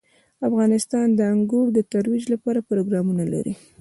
افغانستان د انګور د ترویج لپاره پروګرامونه لري.